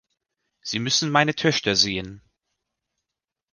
Sie müssen meine Töchter sehen.